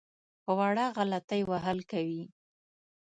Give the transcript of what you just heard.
په وړه غلطۍ وهل کوي.